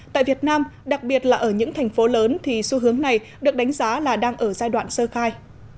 tại việt nam đặc biệt là ở những thành phố lớn thì xu hướng này được đánh giá là đang ở giai đoạn sơ khai